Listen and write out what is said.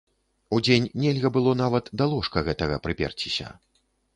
Удзень нельга было нават да ложка гэтага прыперціся.